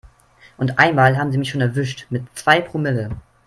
Und einmal haben sie mich schon erwischt mit zwei Promille.